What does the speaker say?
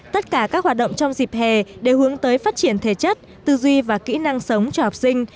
tất cả các hoạt động trong dịp hè đều hướng tới phát triển thể chất tư duy và kỹ năng sống cho học sinh